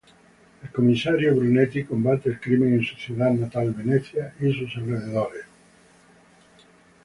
El comisario Brunetti combate el crimen en su ciudad natal, Venecia, y sus alrededores.